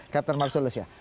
captain marselus ya